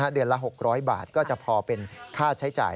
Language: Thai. เดือนละ๖๐๐บาทก็จะพอเป็นค่าใช้จ่าย